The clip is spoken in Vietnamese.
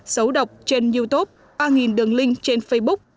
xấu độc trên youtube ba đường link trên facebook